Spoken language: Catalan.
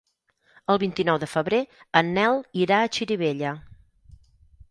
El vint-i-nou de febrer en Nel irà a Xirivella.